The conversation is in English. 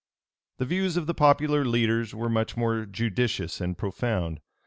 The views of the popular leaders were much more judicious and profound.